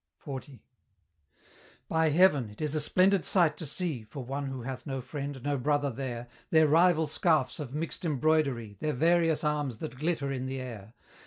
XL. By Heaven! it is a splendid sight to see (For one who hath no friend, no brother there) Their rival scarfs of mixed embroidery, Their various arms that glitter in the air!